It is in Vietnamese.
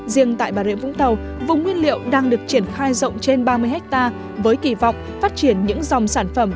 riêng tại bà rịa vũng tàu vùng nguyên liệu đang được triển khai rộng trên ba mươi hectare với kỳ vọng phát triển những dòng sản phẩm